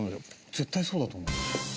絶対そうだと思う。